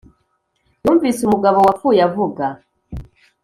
yumvise umugabo wapfuye avuga -